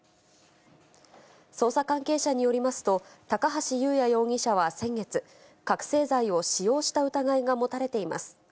捜査関係者によりますと、高橋祐也容疑者は先月、覚醒剤を使用した疑いが持たれています。